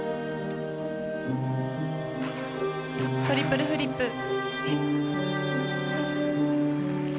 トリプルフリップ。